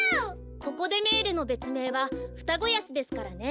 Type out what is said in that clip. ココ・デ・メールのべつめいはフタゴヤシですからね。